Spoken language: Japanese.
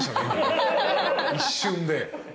一瞬で。